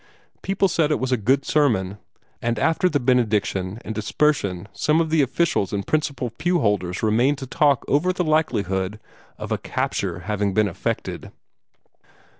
People said it was a good sermon; and after the benediction and dispersion some of the officials and principal pew holders remained to talk over the likelihood of a capture having been effected.